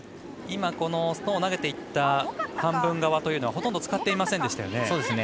今ストーンを投げていった半分側はほとんど使っていませんでしたね。